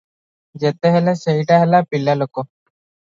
ଯେତେ ହେଲେ ସେଇଟା ହେଲା ପିଲାଲୋକ ।